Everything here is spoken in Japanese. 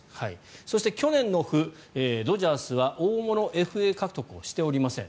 そして、去年のオフドジャースは大物ＦＡ獲得をしておりません。